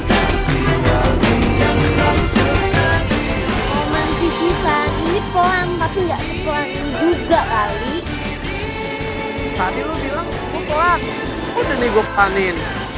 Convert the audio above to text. tadi lu bilang gue pelang udah nih gue pelanin